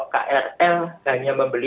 krl hanya membeli tiga